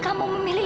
kamila akan memilih